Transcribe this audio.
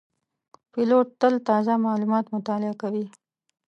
پیلوټ تل تازه معلومات مطالعه کوي.